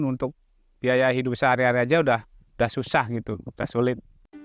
untuk biaya hidup sehari hari aja udah susah gitu udah sulit